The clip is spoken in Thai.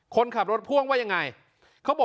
คนขับรถพ่วงว่าอย่างไร